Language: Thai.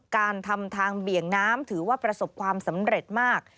การทำทางเบี่ยงน้ำถือว่าประสบความสำเร็จมาก